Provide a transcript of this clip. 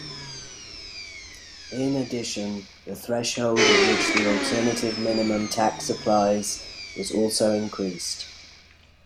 In addition, the threshold at which the alternative minimum tax applies was also increased.